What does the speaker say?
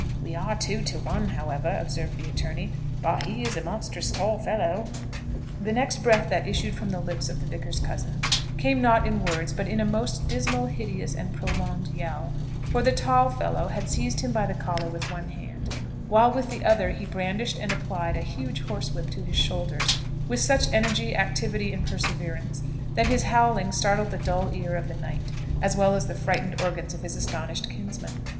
"We are two to one, however," observed the attorney, "but he is a monstrous tall fellow." The next breath that issued from the lips of the vicar's cousin came not in words, but in a most dismal, hideous, and prolonged yell; for the "tall fellow" had seized him by the collar with one hand, while with the other he brandished and applied a huge horsewhip to his shoulders with such energy, activity, and perseverance, that his howling startled the dull ear of night, as well as the frightened organs of his astonished kinsman.